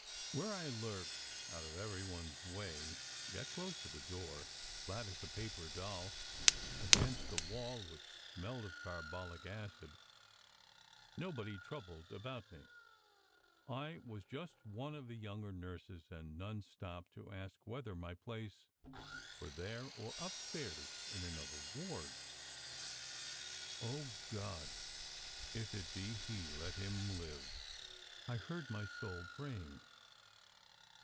Where I lurked, out of every one s way, yet close to the door, flat as a paper doll, against the wall which smelled of carbolic acid, nobody troubled about me. I was just one of the younger nurses, and none stopped to ask whether my place were there or upstairs in another ward. "Oh God, if it be he, let him live!" I heard my soul praying.